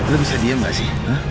lu bisa diem gak sih